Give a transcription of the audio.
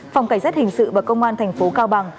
phòng cảnh sát hình sự và công an thành phố cao bằng